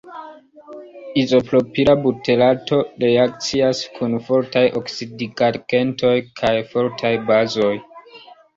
Izopropila buterato reakcias kun fortaj oksidigagentoj kaj fortaj bazoj.